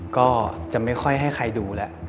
ก็จะไม่ค่อยให้ใครดูแล้ว